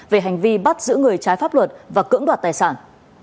về hành vi bắt giữ người trái pháp luật và cưỡng đoạt tài sản